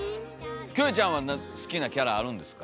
キョエちゃんは好きなキャラあるんですか？